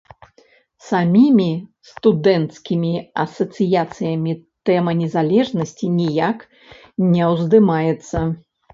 Самімі студэнцкімі асацыяцыямі тэма незалежнасці ніяк не ўздымаецца.